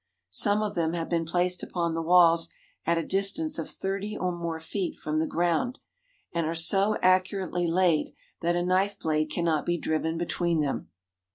Some of them have been placed upon the walls at a distance of thirty or more feet from the ground, and are so accurately laid that a knife blade cannot be driven between them.